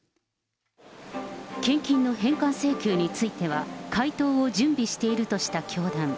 献金の返還請求については回答を準備しているとした教団。